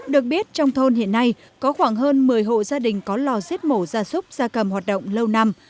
được biết trong thôn hiện nay có khoảng hơn một mươi hộ gia đình có lò xếp mổ ra súc ra cầm hoạt động lâu năm